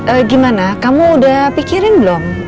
eh gimana kamu udah pikirin belum